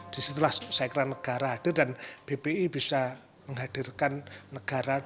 disitulah saya kira negara hadir dan bpi bisa menghadirkan negara